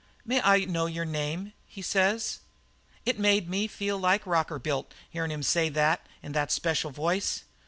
"'May I know your name?' he says. "It made me feel like Rockerbilt, hearin' him say that, in that special voice.